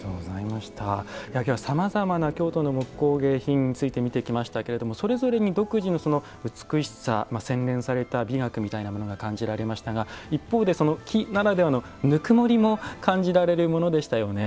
きょうはさまざまな京都の木工芸品について見てきましたけれどもそれぞれに独自の美しさ洗練された美学みたいなものが感じられましたが一方で木ならではのぬくもりも感じられるものでしたよね。